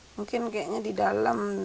mungkin kayaknya di dalam